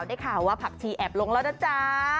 ได้ข่าวว่าผักชีแอบลงแล้วนะจ๊ะ